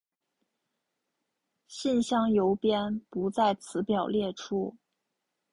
信箱邮编不在此表列出。